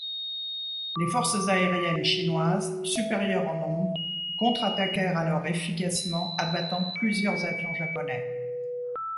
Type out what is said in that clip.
Les forces aériennes chinoises, supérieures en nombre, contre-attaquèrent alors efficacement, abattant plusieurs avions japonais.